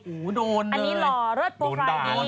โอ้โหโดนอันนี้หล่อเลิศโปรไฟล์ดี